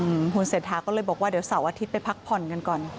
อืมคุณเศรษฐาก็เลยบอกว่าเดี๋ยวเสาร์อาทิตย์ไปพักผ่อนกันก่อน